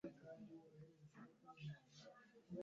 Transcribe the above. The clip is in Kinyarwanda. icyubahiro n’igitinyiro ni byo bibaranga